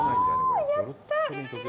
やった！